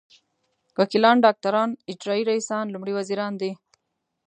وکیلان ډاکټران اجرايي رییسان لومړي وزیران دي.